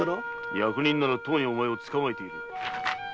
役人ならとうにお前を捕まえている。